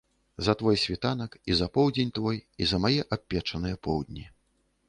За твой світанак, і за поўдзень твой, і за мае абпечаныя поўдні.